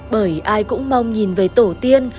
bởi ai cũng mong nhìn về tổ tiên